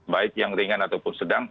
baik yang ringan ataupun sedang